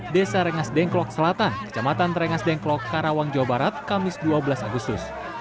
desa rengas dengklok selatan kecamatan rengas dengklok karawang jawa barat kamis dua belas agustus